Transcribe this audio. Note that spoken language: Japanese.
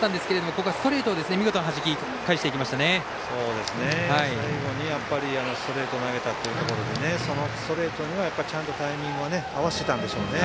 最後にストレートを投げたというところでそのストレートにはちゃんとタイミングを合わせていたんでしょうね。